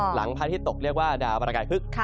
พระอาทิตย์ตกเรียกว่าดาวประกายพฤกษ์